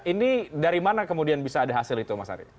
ini dari mana kemudian bisa ada hasil itu mas ari